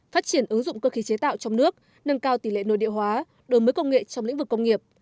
phát triển ứng dụng cơ khí chế tạo trong nước nâng cao tỷ lệ nội địa hóa đổi mới công nghệ trong lĩnh vực công nghiệp